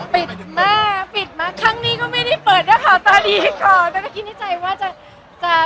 ปิดมาปิดมาครั้งนี้ก็ไม่ได้เปิดนะครับตอนนี้ก็คิดในใจว่าจะ